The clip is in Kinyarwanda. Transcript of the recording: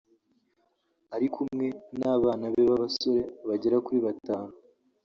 ari kumwe n’abana be b’abasore bagera kuri batanu